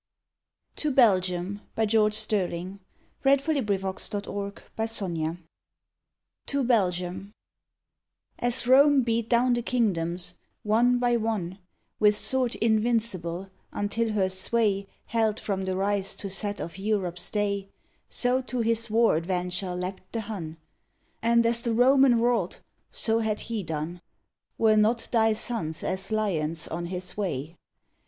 steel, Cold from the twilight battlefields of Time. ON THE GREAT WAR TO BELGIUM As Rome beat down the kingdoms, one by one, With sword invincible, until her sway Held from the rise to set of Europe s day, So to his war adventure leapt the Hun, And as the Roman wrought, so had he done, Were not thy sons as lions on his way.